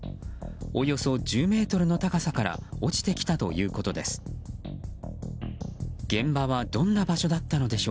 およそ１０ｍの高さから落ちてきたということです。